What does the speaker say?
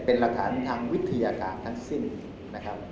เป็นหลักฐานทางวิทยาศาสตร์ทั้งสิ้นนะครับ